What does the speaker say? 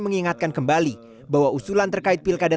mengingatkan kembali bahwa usulan terkait pilkada